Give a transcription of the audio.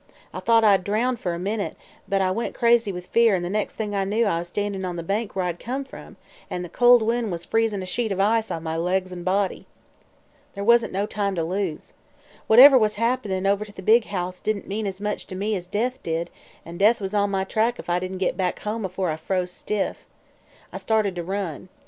I thought I'd drown, for a minute, but I went crazy with fear an' the next thing I knew I was standin' on the bank where I'd come from an' the cold wind was freezin' a sheet of ice on my legs an' body. "There wasn't no time to lose. Whatever was happenin' over to the big house didn't mean as much to me as death did, an' death was on my track if I didn't get back home afore I froze stiff. I started to run.